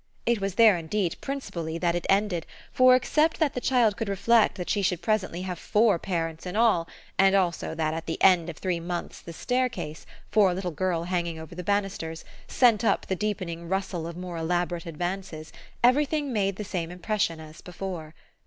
It was there indeed principally that it ended, for except that the child could reflect that she should presently have four parents in all, and also that at the end of three months the staircase, for a little girl hanging over banisters, sent up the deepening rustle of more elaborate advances, everything made the same impression as before.